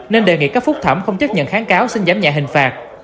nên đề nghị các phúc thẩm không chấp nhận kháng cáo xin giảm nhẹ hình phạt